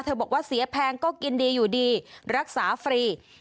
บอกว่าเสียแพงก็กินดีอยู่ดีรักษาฟรี